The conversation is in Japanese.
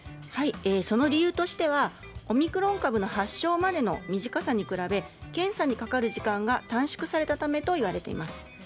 その理由としてはオミクロン株の発症までの短さに比べ検査にかかる時間が短縮されたためと言われています。